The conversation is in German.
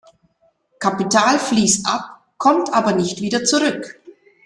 Kapital fließt ab, kommt aber nicht wieder zurück.